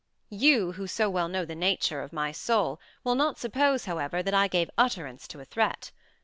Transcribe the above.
You, who so well know the nature of my soul, will not suppose, however, that I gave utterance to a threat.